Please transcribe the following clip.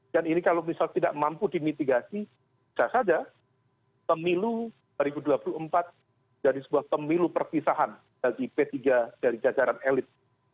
dan ini kalau misal tidak mampu dimitigasi saya sadar pemilu dua ribu dua puluh empat jadi sebuah pemilu perpisahan dari p tiga dari jajaran elit